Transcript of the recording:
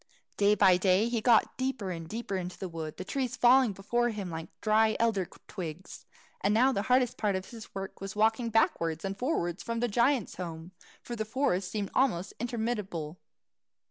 Day by day he got deeper and deeper into the wood, the trees falling before him like dry elder twigs; and now the hardest part of his work was walking backwards and fowards to the giant's home, for the forest seemed almost interminable.